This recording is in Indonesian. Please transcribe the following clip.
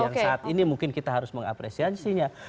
yang saat ini mungkin kita harus mengapresiasinya